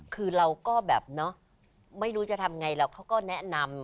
คือเราก็แบบเนาะไม่รู้จะทำไงแล้วเขาก็แนะนำ